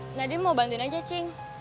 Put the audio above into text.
ya nadin mau bantuin aja cing